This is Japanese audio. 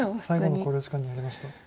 最後の考慮時間に入りました。